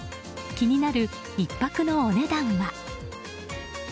気になる１泊のお値段は。